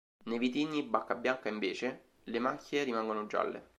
Nei vitigni bacca bianca invece, le macchie rimangono gialle.